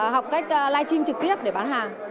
học cách live stream trực tiếp để bán hàng